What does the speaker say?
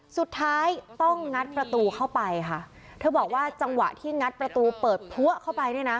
สุดท้ายต้องงัดประตูเข้าไปค่ะเธอบอกว่าจังหวะที่งัดประตูเปิดพัวเข้าไปเนี่ยนะ